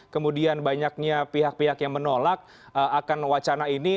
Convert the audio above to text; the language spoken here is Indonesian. kemudian banyaknya pihak pihak yang menolak akan wacana ini